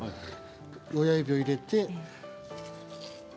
親指を入れて。